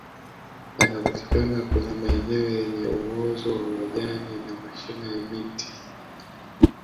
anapatikana kwenye maeneo yenye uozo wa majani na mashina ya miti